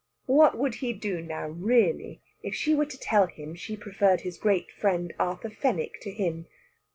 What would he do now, really, if she were to tell him she preferred his great friend Arthur Fenwick to him?